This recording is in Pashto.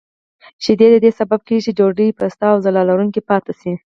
شیدې د دې سبب کېږي چې ډوډۍ پسته او ځلا لرونکې پاتې شي.